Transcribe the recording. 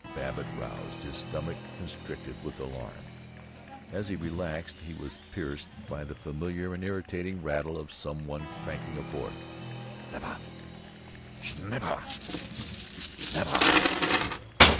Babbitt roused, his stomach constricted with alarm. As he relaxed, he was pierced by the familiar and irritating rattle of some one cranking a Ford: snap ah ah, snap ah ah, snap ah ah.